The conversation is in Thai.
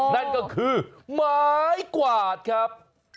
นั่นก็คือไม้กวาดครับ